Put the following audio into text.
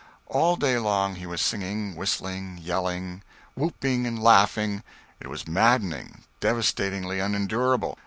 All day long he was singing, whistling, yelling, whooping, laughing it was maddening, devastating, unendurable.